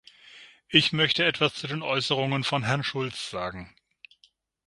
Ich möchte etwas zu den Äußerungen von Herrn Schulz sagen.